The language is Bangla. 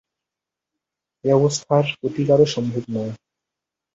এ অবস্থার প্রতিকারও সম্ভব নয়।